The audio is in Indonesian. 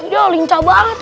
dia lincah banget